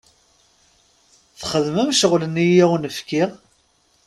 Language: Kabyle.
Txedmem ccɣel-nni i awen-fkiɣ?